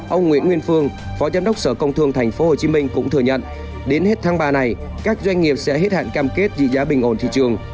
ông nguyễn nguyên phương phó giám đốc sở công thương tp hcm cũng thừa nhận đến hết tháng ba này các doanh nghiệp sẽ hết hạn cam kết giữ giá bình ổn thị trường